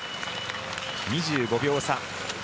２５秒差。